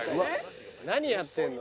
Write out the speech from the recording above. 何やってるの？